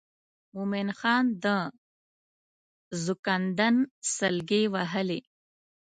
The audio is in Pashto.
مومن خان د زکندن سګلې وهي.